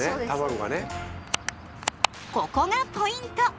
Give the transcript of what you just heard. ここがポイント！